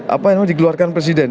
apa yang digeluarkan presiden